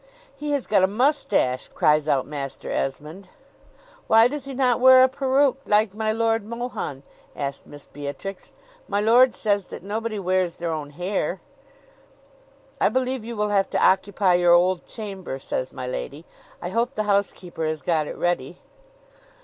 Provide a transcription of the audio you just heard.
"He has got a moustache!" cries out Master Esmond. "Why does he not wear a peruke like my Lord Mohun?" asked Miss Beatrix. "My lord says that nobody wears their own hair." "I believe you will have to occupy your old chamber," says my lady. "I hope the housekeeper has got it ready."